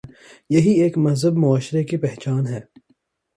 یہی ایک مہذب معاشرے کی پہچان ہے۔